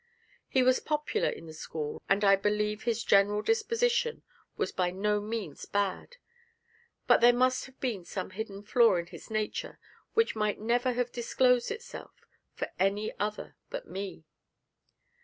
He was popular in the school, and I believe his general disposition was by no means bad; but there must have been some hidden flaw in his nature which might never have disclosed itself for any other but me.